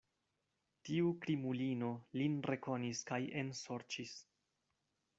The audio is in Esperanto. Tiu krimulino lin rekonis kaj ensorĉis.